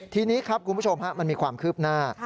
ทีนี้ครับคุณผู้ชมมันมีความคืบหน้า